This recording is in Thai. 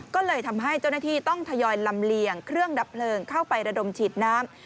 ก็เลยทำให้เจ้าหน้าที่ต้องทยอยลำเลียงเครื่องดับเพลิงเข้าไประดมฉีดน้ำ